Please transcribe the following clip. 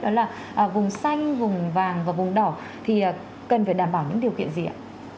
đó là vùng xanh vùng vàng và vùng đỏ thì cần phải đảm bảo những điều kiện gì ạ